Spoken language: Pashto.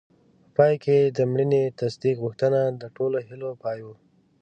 په پای کې د مړینې تصدیق غوښتنه د ټولو هیلو پای و.